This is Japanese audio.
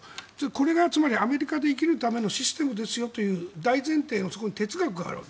これがつまりアメリカで生きるためのシステムですよという大前提の哲学がある。